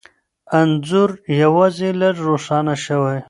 انځور یوازې لږ روښانه شوی،